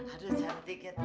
aduh cantiknya tuh